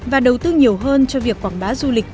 và đầu tư nhiều hơn cho việc quảng bá du lịch